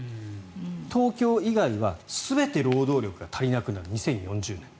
東京以外は全て労働力が足りなくなる２０４０年。